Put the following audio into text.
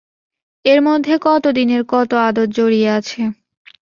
এর মধ্যে কত দিনের কত আদর জড়িয়ে আছে।